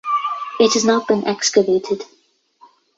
It has not been excavated.